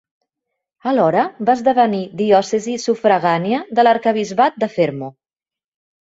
Alhora, va esdevenir diòcesi sufragània de l'arquebisbat de Fermo.